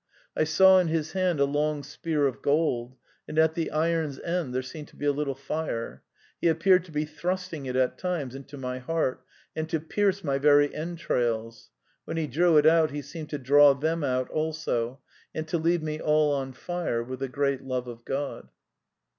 " I saw in his hand a long spear of gold, and at the iron's end there seemed to be a little fire. He appeared to be thrust ing it at times into my heart, and to pierce my very en trails : when he drew it out, he seemed to draw them out also, and to leave me all on fire with a great love of God."